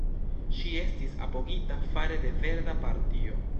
Ŝi estis apogita fare de Verda Partio.